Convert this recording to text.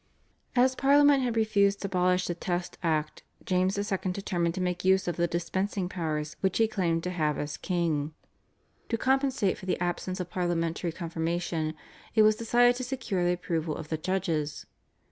As Parliament had refused to abolish the Test Act James II. determined to make use of the dispensing powers which he claimed to have as king. To compensate for the absence of parliamentary confirmation, it was decided to secure the approval of the judges.